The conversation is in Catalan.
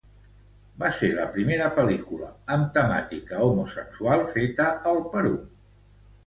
Va ser la primera pel·lícula amb temàtica homosexual feta al Perú.